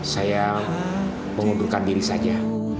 saya mengundurkan diri saja